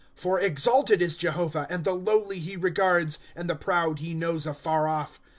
* For exalted ia Jehovah ; and the lowly he regards ; And the proud he knows afar off.